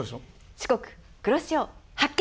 四国黒潮発見！